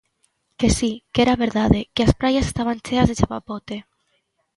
Que si, que era verdade, que as praias estaban cheas de chapapote.